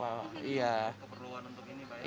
keperluan untuk ini pak